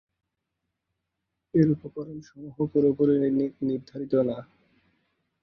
এর উপকরণ সমূহ পুরোপুরি নির্ধারিত না।